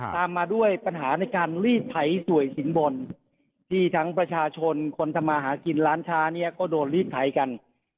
ตามมาด้วยปัญหาในการรีดไถสวยสิงศ์บนที่ทั้งประชาชนคนธมาฮิกิณฑ์ร้านชานี้ก็โดนรีดไถกัน